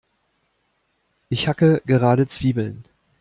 Ich hacke gerade Zwiebeln.